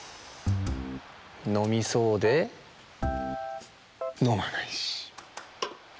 のみそうでのまないし。